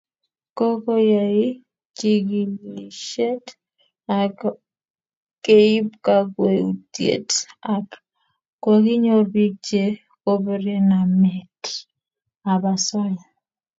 Kokoiyai chigilishet ak keib kakwautiet ak kokinyor piik che borie namet ab asoya